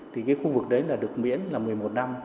thì cái khu vực đấy là được miễn là một mươi một năm